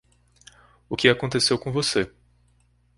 O que aconteceu com você